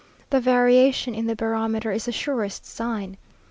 The variation in the barometer is the surest sign.